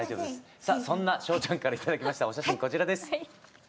さあそんなしょうちゃんから頂きましたお写真こちらです。